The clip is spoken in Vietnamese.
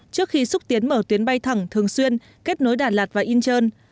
trước khi xúc tiến mở tuyến bay thẳng thường xuyên kết nối đà lạt và incheon